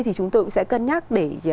thì chúng tôi cũng sẽ cân nhắc để